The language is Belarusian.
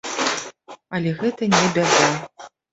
Але гэта не бяда.